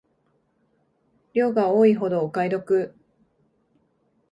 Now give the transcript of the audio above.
量が多いほどお買い得